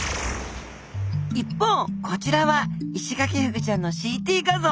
一方こちらはイシガキフグちゃんのＣＴ画像。